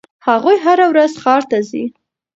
هغوی هره ورځ ښار ته ځي.